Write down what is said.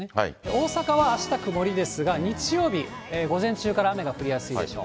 大阪はあした曇りですが、日曜日、午前中から雨が降りやすいでしょう。